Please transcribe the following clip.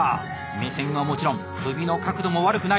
目線はもちろん首の角度も悪くない。